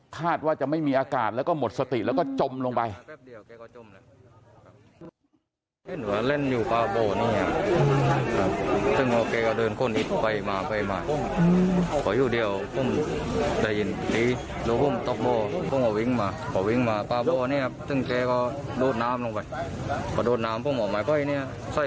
ว่าจะไม่มีอากาศแล้วก็หมดสติแล้วก็จมลงไป